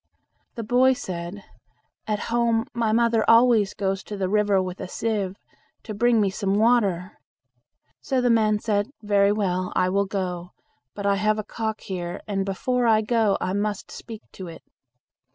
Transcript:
The boy said, "At home my mother always goes to the river with a sieve to bring me some water." So the man said "Very well, I will go, but I have a cock here, and before I go, I must speak to it."